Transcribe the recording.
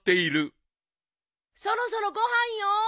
・そろそろご飯よ。